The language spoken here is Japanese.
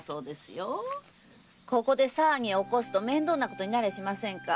ここで騒ぎを起こすと面倒なことになりゃしませんか？